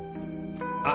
あ！